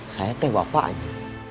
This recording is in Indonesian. saya teh bapak aja